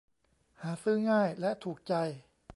หาซื้อง่ายและถูกใจ